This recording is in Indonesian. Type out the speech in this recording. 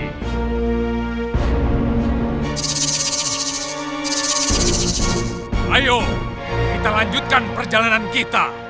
kita akan melanjutkan perjalanan kita